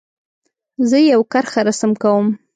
زه یو کرښه رسم کوم.